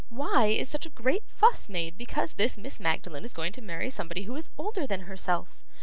Why is such a great fuss made because this Miss Magdalen is going to marry somebody who is older than herself?